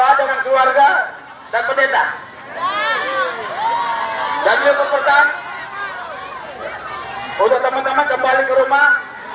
dan berdoa dengan keluarga dan pendeta dan juga pesan untuk teman teman kembali ke rumah